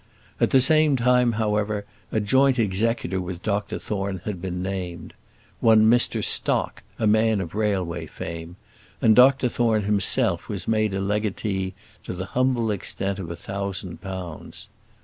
At the same time, however, a joint executor with Dr Thorne had been named one Mr Stock, a man of railway fame and Dr Thorne himself was made a legatee to the humble extent of a thousand pounds.